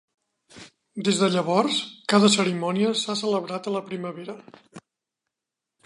Des de llavors, cada cerimònia s'ha celebrat a la primavera.